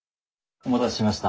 お待たせしました。